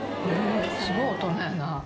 すごい大人やな。